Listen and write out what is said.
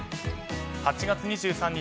８月２３日